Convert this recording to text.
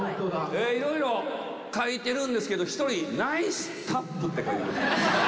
いろいろ書いてるんですけど一人「ナイスタップ」って書いてます。